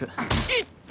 いって！